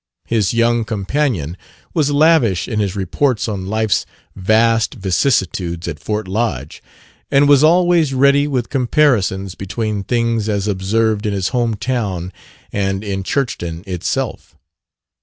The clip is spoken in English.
His young companion was lavish in his reports on life's vast vicissitudes at Fort Lodge, and was always ready with comparisons between things as observed in his home town and in Churchton itself.